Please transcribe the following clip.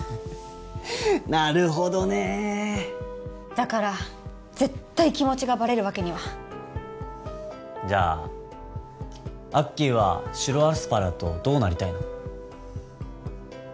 なるほどねだから絶対気持ちがバレるわけにはじゃあアッキーは白アスパラとどうなりたいの？